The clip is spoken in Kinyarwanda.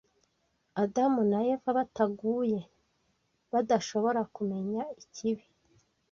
Adamu na Eva bataguye badashobora kumenya ikibi